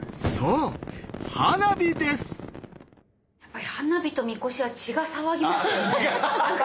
やっぱり花火とみこしは血が騒ぎますよね。